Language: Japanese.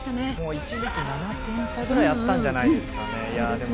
一時期、７点差ぐらいあったんじゃないですかね。